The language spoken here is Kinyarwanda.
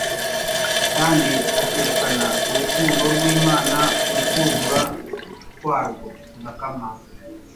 kandi akerekana urukundo rw’Imana mu kuzura kwarwo kudakama.